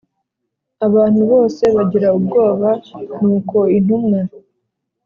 Abantu bose bagira ubwoba nuko intumwa